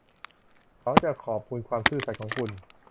เขาจะขอบคุณความซื่อสัตย์ของคุณ